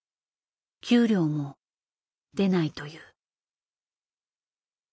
給料も出ないという。